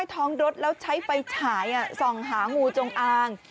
ท้องรถแล้วใช้ไฟฉายส่องหางูจงอาง